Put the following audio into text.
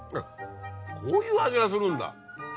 こういう味がするんだ。